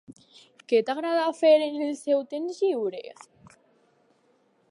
Què t'agrada fer en el seu temps lliure?